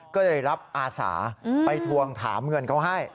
ก็เลยรับอาสาไปทวงถามเงินเขาให้